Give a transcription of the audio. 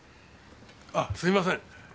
あっすいません。